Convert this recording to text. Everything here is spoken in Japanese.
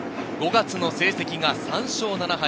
５月の成績が３勝７敗。